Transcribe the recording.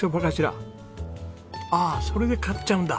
ああそれで買っちゃうんだ。